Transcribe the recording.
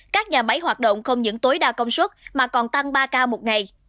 các nhà máy hoạt động không những tối đa công suất mà còn tăng ba k một ngày